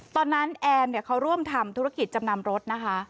ตอนนั้นแอร์มเขาร่วมทำธุรกิจจำนำรถ